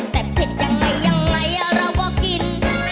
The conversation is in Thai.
แต่เผ็ดยังไงยังไงเราก็กิน